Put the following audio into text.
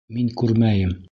Мин күрмәйем.